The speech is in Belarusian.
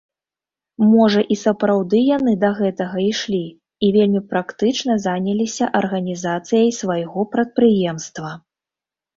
Можа, і сапраўды яны да гэтага ішлі і вельмі практычна заняліся рэарганізацыяй свайго прадпрыемства.